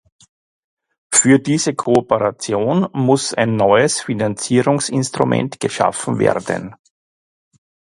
Für diese Kooperation muss ein neues Finanzierungsinstrument geschaffen werden.